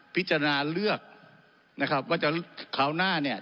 พิจารณาเลือกนะครับว่าจะคราวหน้าเนี่ย